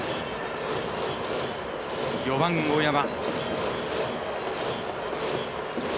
４番、大山。